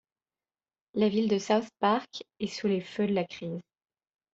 La ville de South Park est sous les feux de la crise.